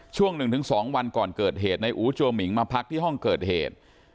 ช่วง๑๒วันก่อนเกิดเหตุในอู๋จัวหมิงมาพักที่ห้องเกิดเหตุ